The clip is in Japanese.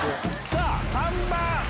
さあ、３番。